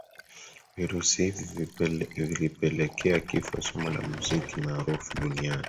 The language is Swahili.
virusi hivi vilipelekea kifo cha mwanamuziki maarufu duniani